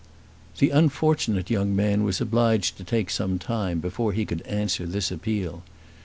The unfortunate young man was obliged to take some time before he could answer this appeal.